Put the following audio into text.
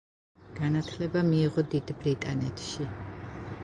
განათლება მიიღო დიდ ბრიტანეთში.